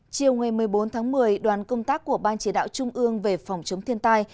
chiều ngày một mươi bốn tháng một mươi đoàn công tác của ban chỉ đạo trung ương về phòng chống thiên tai